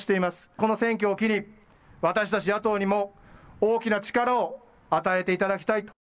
この選挙を機に私たち野党にも大きな力を与えていただきたいと。